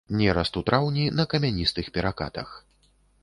Нераст у траўні на камяністых перакатах.